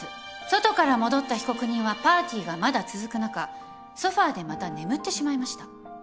外から戻った被告人はパーティーがまだ続く中ソファでまた眠ってしまいました。